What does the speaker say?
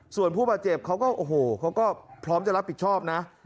ส่วนผู้บาดเจ็บเขาก็โอ้โหเขาก็พร้อมจะรับผิดชอบนะ